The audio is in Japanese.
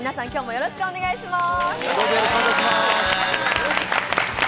よろしくお願いします。